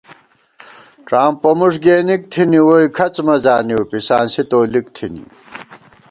ڄامپہ مُݭ گېنِک تھنی ووئی ، کھڅ مہ زانِؤ، پِسانسی تولِک تھنی